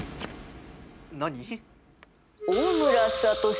何？